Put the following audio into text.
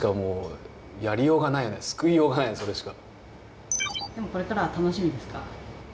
救いようがないそれしか。